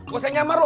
gak usah nyamar lo